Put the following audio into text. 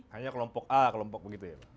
hanya kelompok a kelompok begitu ya